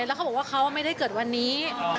แล้วเขาบอกว่าเขาไม่ได้เกิดวันนี้